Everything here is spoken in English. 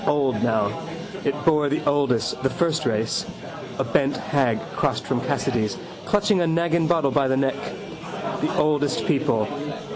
Old now. It bore the oldest, the first race. A bent hag crossed from Cassidy's, clutching a naggin bottle by the neck. The oldest people.